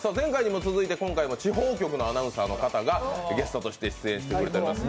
今回も地方局のアナウンサーの方が、ゲストとして出演してくださっています。